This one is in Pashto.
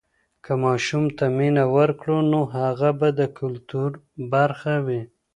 که ماشوم ته مینه ورکړو، نو هغه به د کلتور برخه وي.